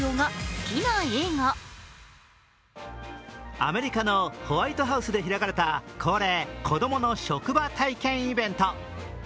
アメリカのホワイトハウスで開かれた恒例・子供の職場体験イベント。